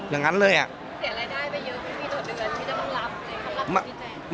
อย่างนั้นเลยอ่ะเสียรายได้ไปเยอะไม่มีต่อเดือนที่จะต้องรับเลยค่ะ